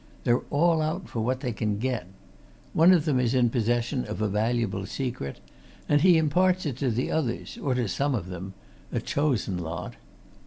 They're all out for what they can get. One of them is in possession of a valuable secret, and he imparts it to the others, or to some of them a chosen lot.